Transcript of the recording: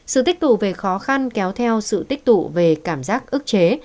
sự tích tụ về khó khăn kéo theo sự tích tụ về cảm giác ức chế